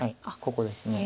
ここです。